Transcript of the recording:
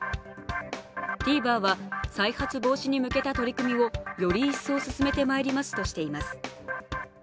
ＴＶｅｒは再発防止に向けた取り組みをより一層進めてまいりますとしています。